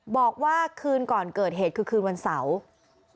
บอกว่าคืนก่อนเกิดเหตุคือคืนวันเสาร์